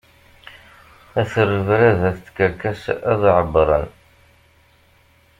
At rrebrab d at tkerkas ad ɛebbṛen.